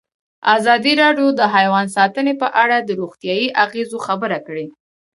ازادي راډیو د حیوان ساتنه په اړه د روغتیایي اغېزو خبره کړې.